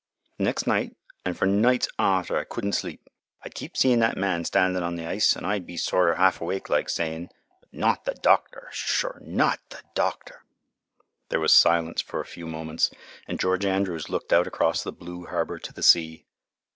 "Th' next night, an' for nights after, I couldn' sleep. I'd keep seein' that man standin' on th' ice, an' I'd be sorter half awake like, sayin', 'But not th' doctor. Sure not th' doctor.'" There was silence for a few moments, and George Andrews looked out across the blue harbor to the sea.